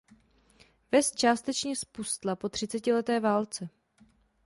Ves částečně zpustla po třicetileté válce.